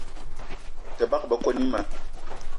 Te bagbe koni ma.